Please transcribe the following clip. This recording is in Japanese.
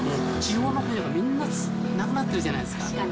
地方の本屋はみんななくなってるじゃないですか。